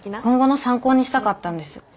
今後の参考にしたかったんです。